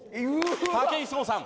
武井壮さん